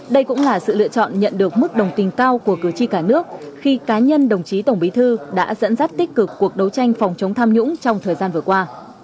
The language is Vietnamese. đây cũng là sự lựa chọn nhận được mức đồng tình cao của cử tri cả nước khi cá nhân đồng chí tổng bí thư đã dẫn dắt tích cực cuộc đấu tranh phòng chống tham nhũng trong thời gian vừa qua